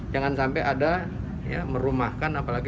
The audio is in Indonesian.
jangan sampai ada ya merumahkan apalagi